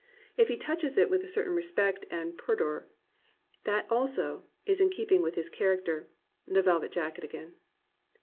If he touches it with a certain respect and pudoTy that also is in keeping with his character, — the velvet jacket again.